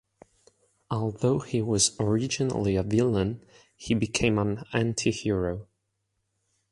Although he was originally a villain, he became an antihero.